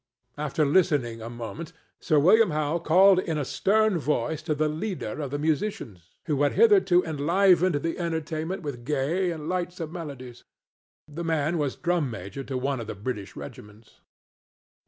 After listening a moment, Sir William Howe called in a stern voice to the leader of the musicians, who had hitherto enlivened the entertainment with gay and lightsome melodies. The man was drum major to one of the British regiments.